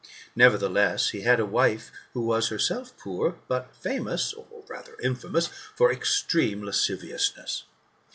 Nevertheless, he had a wife who was also herself poor, but famous [or rather infamous] for extreme lasciviousness.